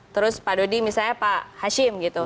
terus pak dodi misalnya pak hashim gitu